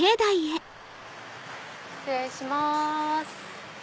失礼します。